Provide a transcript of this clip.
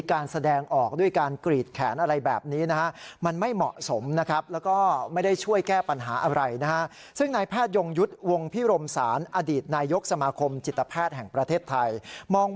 การแสดงออกด้วยการกรีดแขนอะไรแบบนี้นะฮะ